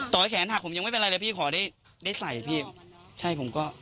โด๊ยแขนหักผมไม่เป็นไรขอได้ใส่